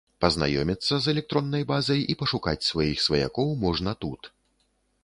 Пазнаёміцца з электроннай базай і пашукаць сваіх сваякоў можна тут.